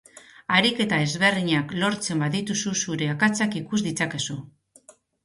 Ariketa ezberdinak lortzen badituzu zure akatsak ikus ditzakezu.